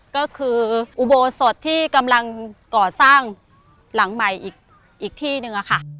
ก็คืออุโบสถที่กำลังก่อสร้างหลังใหม่อีกที่หนึ่งค่ะ